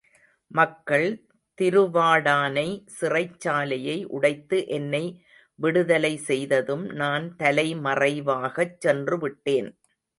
மக்கள் திருவாடானை சிறைச்சாலையை உடைத்து என்னை விடுதலைசெய்ததும், நான் தலைமறைவாகச் சென்றுவிட்டேன்.